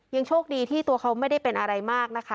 โชคดีที่ตัวเขาไม่ได้เป็นอะไรมากนะคะ